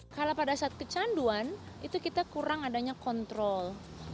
kalau pada saat kecanduan itu kita kurang adanya kontrol